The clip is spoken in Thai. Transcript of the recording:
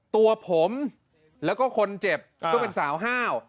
ตัวผมแล้วก็คนเจ็บก็เป็นสาวห้าว